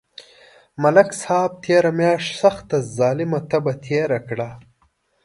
ملک صاحب تېره میاشت سخته ظلمه تبه تېره کړه.